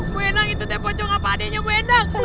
bu endang itu teh pocong apa adeknya bu endang